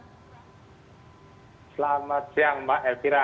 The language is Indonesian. selamat siang mbak elvira